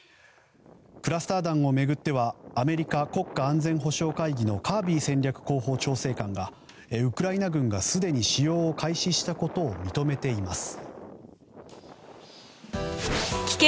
クラスター弾を巡ってはアメリカ国家安全保障会議のカービー戦略広報調整官がウクライナ軍がすでに使用を開始したことを認めています。